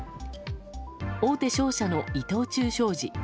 大手商社の伊藤忠商事。